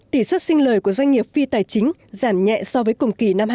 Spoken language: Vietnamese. tỉ suất sinh lời của doanh nghiệp phi tài chính giảm nhẹ so với cùng kỳ năm hai nghìn một mươi năm